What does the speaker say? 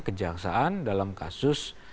kejangsaan dalam kasus